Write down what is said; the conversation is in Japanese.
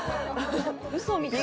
「ウソみたい」